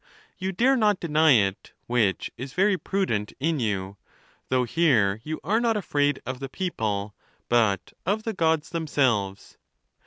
You dare not deny it — which is very prudent in you, though here you are not afraid of the people, but of the Gods themselves.